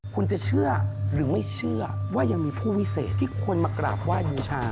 คุณจะเชื่อหรือไม่เชื่อว่ายังมีผู้วิเศษที่คนมากราบไหว้บูชา